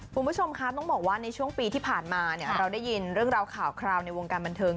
คุณผู้ชมคะต้องบอกว่าในช่วงปีที่ผ่านมาเนี่ยเราได้ยินเรื่องราวข่าวคราวในวงการบันเทิง